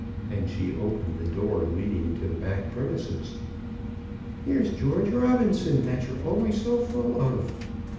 and she opened the door leading to the back premises. "Here's George Robinson, that you're always so full of."